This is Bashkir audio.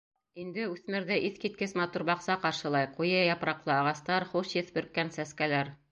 Инде үҫмерҙе иҫ киткес матур баҡса ҡаршылай, ҡуйы япраҡлы ағастар, хуш еҫ бөрккән сәскәләр...